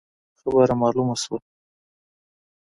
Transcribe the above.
خبره مالومه شوه.